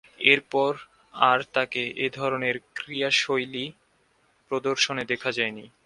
এরপর আর তাকে এ ধরনের ক্রীড়াশৈলী প্রদর্শনে দেখা যায়নি।